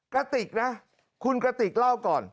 กระติกนะคุณกระติกเล่าก่อน